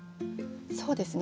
そうですね。